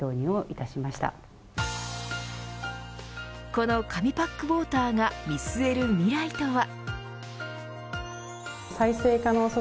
この紙パックウォーターが見据える未来とは。